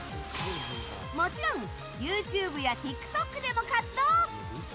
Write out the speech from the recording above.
もちろん、ＹｏｕＴｕｂｅやＴｉｋＴｏｋでも活動。